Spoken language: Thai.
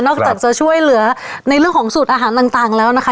จากจะช่วยเหลือในเรื่องของสูตรอาหารต่างแล้วนะคะ